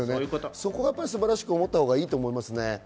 そこは素晴らしく思ったほうがいいと思いますね。